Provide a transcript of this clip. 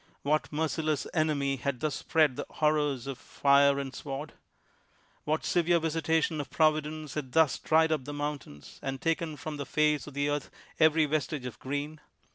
AYhat merciless enemy had thus spread the horrors of fire and sword 1 What severe visitation of Providence had thus dried up the mountains, and taken from the face of the earth every vestige of green?